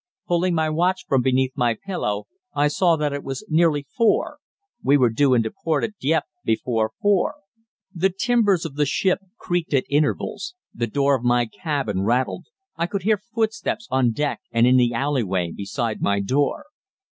Pulling my watch from beneath my pillow, I saw that it was nearly four we were due into port at Dieppe before four. The timbers of the ship creaked at intervals; the door of my cabin rattled; I could hear footsteps on deck and in the alleyway beside my door.